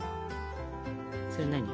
それ何？